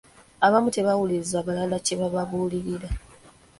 Abamu tebawuliriza balala kyebabuulira.